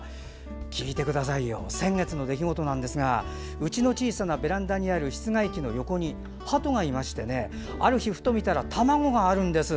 先月の出来事なんですがうちの小さなベランダにある室外機の横にハトがいましてある日、ふと見たら卵があるんです。